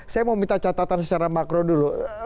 saya mau minta catatan secara makro dulu